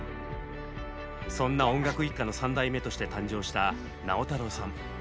そんな音楽一家の３代目として誕生した直太朗さん。